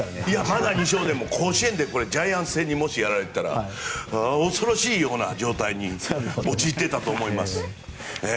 まだ２勝でも甲子園でジャイアンツにやられてたら恐ろしいような状態に陥っていたと思います。